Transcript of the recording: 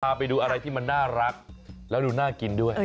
ไปดูอะไรที่มันน่ารักแล้วดูน่ากินด้วย